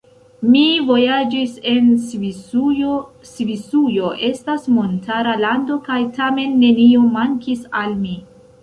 Mi vojaĝis en Svisujo; Svisujo estas montara lando, kaj tamen nenio mankis al mi.